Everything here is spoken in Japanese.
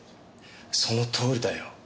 そのとおりだよ。